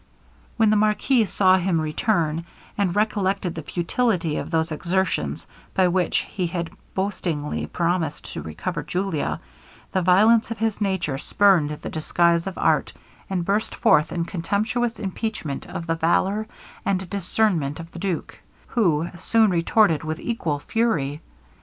When the marquis saw him return, and recollected the futility of those exertions, by which he had boastingly promised to recover Julia, the violence of his nature spurned the disguise of art, and burst forth in contemptuous impeachment of the valour and discernment of the duke, who soon retorted with equal fury.